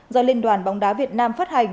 do liên đoàn bóng đá việt nam phát hành